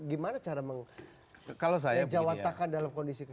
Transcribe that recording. gimana cara menjawab takan dalam kondisi kekinian